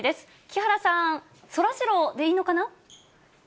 木原さん、そらジロー、でいいのかな？